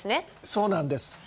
そうなんです。